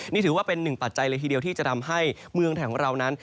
นี่ถือว่าเป็นหนึ่งปัจจัยเลยทีเดียวที่จะทำให้เมืองไทยของเรานั้น